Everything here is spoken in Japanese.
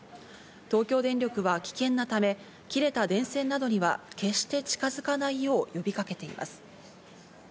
東京電力は危険なため、切れた電線などには決して近づかないよう呼びかけています。